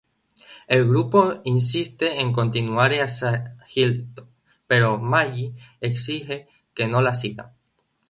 El grupo insiste en continuar hacia Hilltop, pero Maggie exige que no la sigan.